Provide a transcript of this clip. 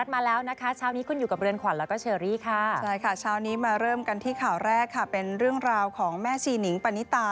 สวัสดีค่ะราวนี้มาแล้วนะคะสวัสดีค่ะชาวนี้มาเริ่มกันที่ข่าวแรกค่ะเป็นเรื่องราวของแม่ชีนิงพะมิตา